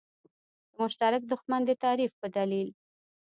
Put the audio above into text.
د مشترک دښمن د تعریف په دلیل.